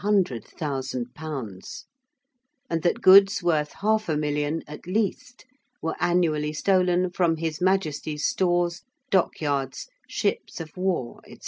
_: and that goods worth half a million at least were annually stolen from His Majesty's stores, dockyards, ships of war, &c.